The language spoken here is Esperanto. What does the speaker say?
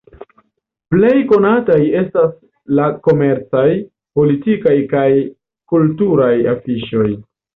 Plej konataj estas la komercaj, politikaj kaj kulturaj afiŝoj.